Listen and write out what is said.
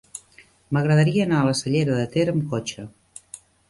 M'agradaria anar a la Cellera de Ter amb cotxe.